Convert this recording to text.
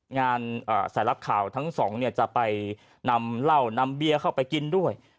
งานสายรับข่าวทั้งสองเนี่ยจะไปนำเหล้านำเบียร์เข้าไปกินด้วย